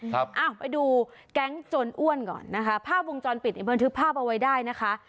ครับอ้าวไปดูแก๊งจนอ้วนก่อนนะคะภาพวงจรปิดในบันทึกภาพเอาไว้ได้นะคะ